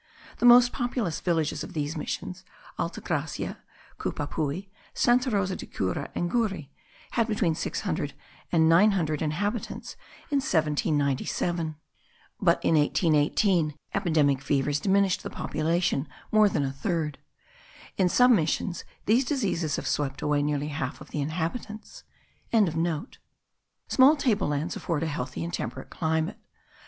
The most populous villages of these missions, Alta Gracia, Cupapui, Santa Rosa de Cura, and Guri, had between 600 and 900 inhabitants in 1797; but in 1818 epidemic fevers diminished the population more than a third. In some missions these diseases have swept away nearly half of the inhabitants.) Small table lands afford a healthy and temperate climate.